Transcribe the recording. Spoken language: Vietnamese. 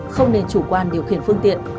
không nên chủ quan điều khiển phương tiện